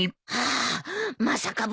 あまさか